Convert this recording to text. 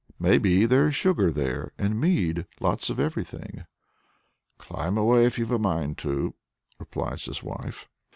May be there's sugar there, and mead lots of everything!" "Climb away, if you've a mind to," replies his wife.